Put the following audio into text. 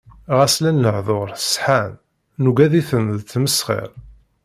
Ɣas llan lehdur ṣeḥḥan, nuggad-iten d ttmesxir.